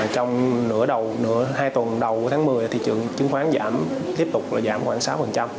trong hai tuần đầu tháng một mươi thị trường chứng khoán giảm tiếp tục giảm khoảng sáu